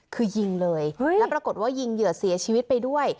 คือยิงเลยแล้วปรากฏว่ายิงเหยื่อเสียชีวิตไปด้วย